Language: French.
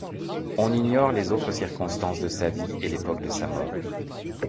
On ignore les autres circonstances de sa vie et l'époque de sa mort.